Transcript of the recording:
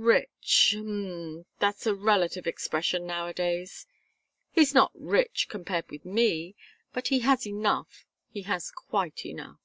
"Rich h'm that's a relative expression nowadays. He's not rich, compared with me but he has enough, he has quite enough."